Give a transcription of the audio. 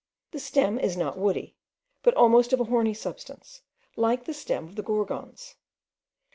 The stem is not woody, but almost of a horny substance, like the stem of the Gorgons.